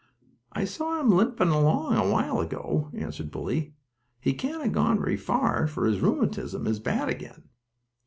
"I saw him limping along a while ago," answered Bully. "He can't have gone very far, for his rheumatism is bad again."